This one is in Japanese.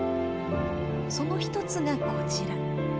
その一つがこちら。